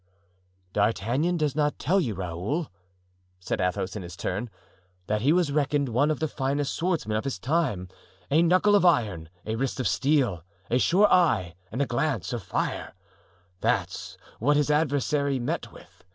"D'Artagnan does not tell you, Raoul," said Athos, in his turn, "that he was reckoned one of the finest swordsmen of his time—a knuckle of iron, a wrist of steel, a sure eye and a glance of fire; that's what his adversary met with.